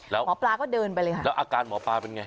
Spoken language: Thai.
แล้วหมอปลาก็เดินไปเลยค่ะแล้วอาการหมอปลาเป็นไง